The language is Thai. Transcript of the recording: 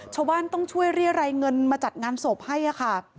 ชาวบ้านต้องช่วยเรียรัยเงินมาจัดงานศพให้ค่ะ